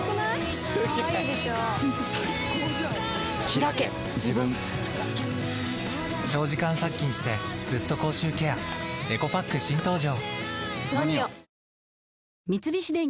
ひらけ自分長時間殺菌してずっと口臭ケアエコパック新登場！